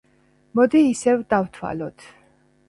მოდი ისევ დავთვალოთ.